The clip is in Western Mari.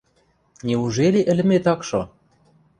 Неужели ӹлӹмет ак шо?!